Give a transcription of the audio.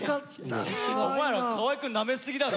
お前ら河合くんなめすぎだろ！